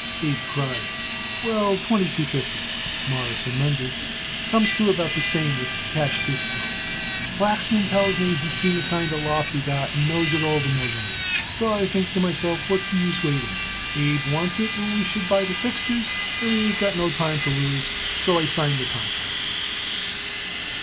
Abe cried. "Well, twenty two fifty," Morris amended. "Comes to about the same with cash discount. Flachsman tells me he seen the kind of loft we got and knows it also the measurements; so I think to myself what's the use waiting. Abe wants it we should buy the fixtures, and we ain't got no time to lose. So I signed the contract."